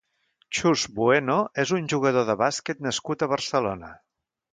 Chus Bueno és un jugador de bàsquet nascut a Barcelona.